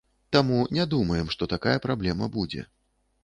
Таму не думаем, што такая праблема будзе.